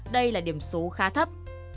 đây là điểm số khá thấp